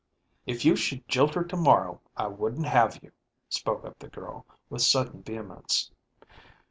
" If you should jilt her to morrow, I wouldn't have you," spoke up the girl, with sudden vehemence.